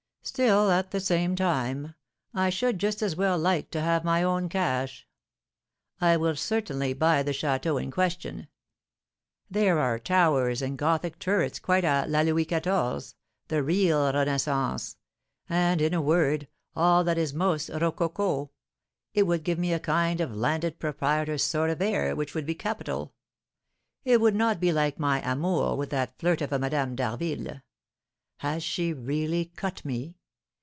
Still, at the same time, I should just as well like to have my own cash. I will certainly buy the château in question. There are towers and Gothic turrets quite à la Louis Quatorze, the real renaissance, and, in a word, all that is most rococo. It would give me a kind of landed proprietor's sort of air which would be capital. It would not be like my amour with that flirt of a Madame d'Harville. Has she really cut me?